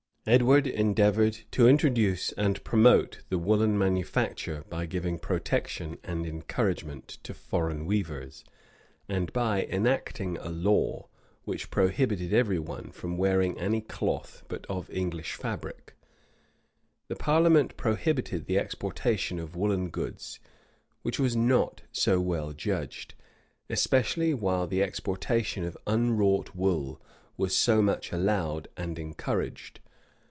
Edward endeavored to introduce and promote the woolen manufacture, by giving protection and encouragement to foreign weavers,[*] and by enacting a law, which prohibited every one from wearing any cloth but of English fabric.[*] The parliament prohibited the exportation of woollen goods, which was not so well judged, especially while the exportation of unwrought wool was so much allowed and encouraged.